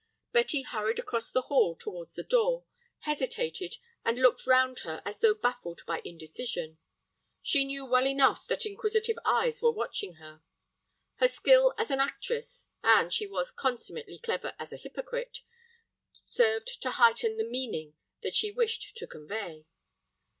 Betty hurried across the hall towards the door, hesitated, and looked round her as though baffled by indecision. She knew well enough that inquisitive eyes were watching her. Her skill as an actress—and she was consummately clever as a hypocrite—served to heighten the meaning that she wished to convey.